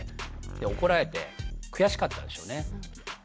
で怒られて悔しかったんでしょうね。